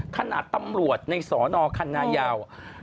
ขนาดตำรวจในสอนงคันยาว